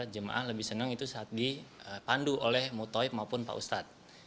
jemaah lebih senang saat dipandu oleh mutoi maupun pak ustad